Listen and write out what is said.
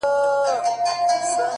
• چا پیران اوچا غوثان را ننګوله ,